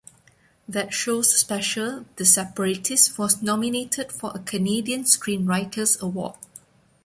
That show's special, "The Separatists", was nominated for a Canadian Screenwriters Award.